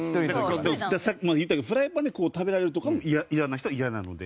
さっきも言ったけどフライパンで食べられるとかも嫌な人は嫌なので。